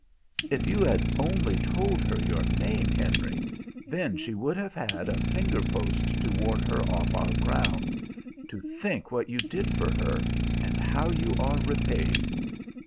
"If you had only told her your name, Henry! Then she would have had a fingerpost to warn her off our ground. To think what you did for her, and how you are repaid!"